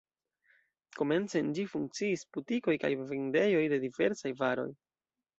Komence en ĝi funkciis butikoj kaj vendejoj de diversaj varoj.